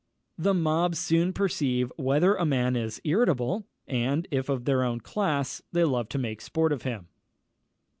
The mob soon perceive whether a man is irritable, and, if of their own class, they love to make sport of him.